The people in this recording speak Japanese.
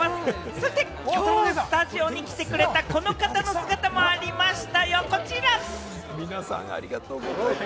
そして、きょうスタジオに来てくれた、この方の姿もありましたよ、こちら。